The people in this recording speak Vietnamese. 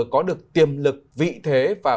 có được tiềm lực vị thế và